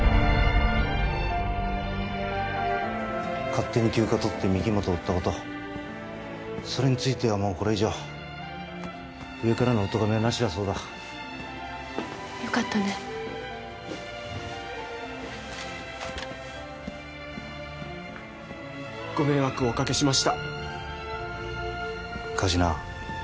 勝手に休暇取って御木本追ったことそれについてはもうこれ以上上からのおとがめはなしだそうだよかったねご迷惑をおかけしました神志名